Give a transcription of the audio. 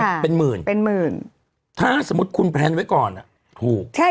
ค่ะเป็นหมื่นเป็นหมื่นถ้าสมมุติคุณแพลนไว้ก่อนอ่ะถูกใช่